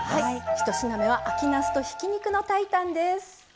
ひと品目は秋なすとひき肉の炊いたんです。